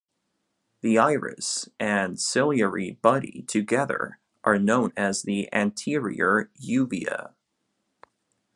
The iris and ciliary body together are known as the anterior uvea.